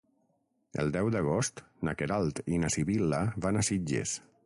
El deu d'agost na Queralt i na Sibil·la van a Sitges.